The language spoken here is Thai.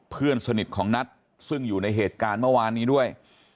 เพื่อนสนิทของนัทซึ่งอยู่ในเหตุการณ์เมื่อวานนี้ด้วย